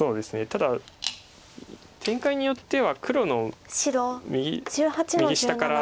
ただ展開によっては黒の右下から。